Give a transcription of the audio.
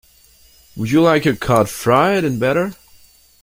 Would you like your cod fried in batter?